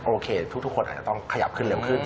โอเคทุกคนอาจจะต้องขยับขึ้นเร็วขึ้น